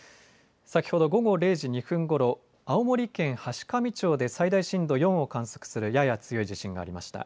先ほど午後０時２分ごろ、青森県階上町で最大震度４を観測するやや強い地震がありました。